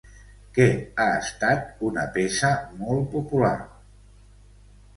Què ha estat una peça molt popular?